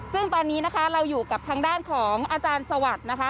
ซึ่งตอนนี้นะคะเราอยู่กับทางด้านของอาจารย์สวัสดิ์นะคะ